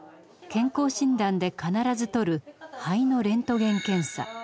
健康診断で必ず撮る肺のレントゲン検査。